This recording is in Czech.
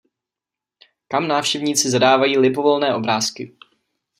Kam návštěvníci zadávají libovolné obrázky.